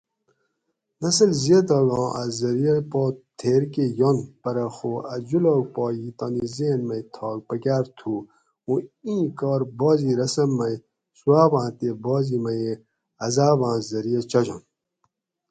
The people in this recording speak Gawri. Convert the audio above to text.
نسل زیاتاگاں اۤ زریعہ پا تھیر کہ ینت پرہ خو اۤ جولاگ پا تانی ذھن مئ تھاگ پکار تھو اُوں ایں کار بعض رسم مئ ثوا باں تے بعض مئ عزاباں زریعہ چاجنت